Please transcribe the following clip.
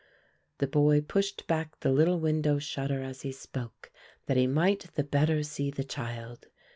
The boy pushed back the little window shutter as he spoke that he might the better see the child.